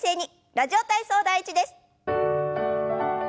「ラジオ体操第１」です。